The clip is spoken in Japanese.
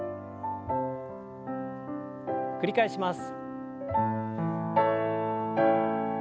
繰り返します。